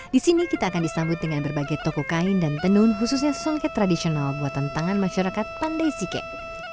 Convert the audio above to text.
di sini kita akan disambut dengan berbagai toko kain dan tenun khususnya songket tradisional buatan tangan masyarakat pandai sike